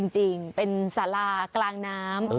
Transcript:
จริงเป็นสารากลางน้ำ